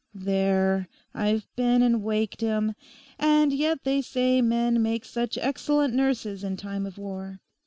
There, I've been and waked him. And yet they say men make such excellent nurses in time of war.